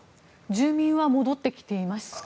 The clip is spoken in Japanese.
住民は戻ってきていますか？